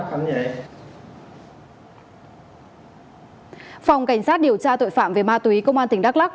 phòng cảnh sát điều tra tội phạm về ma túy công an tỉnh đắk lắc